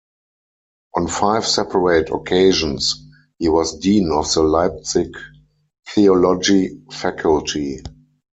On five separate occasions he was dean of the Leipzig theology faculty.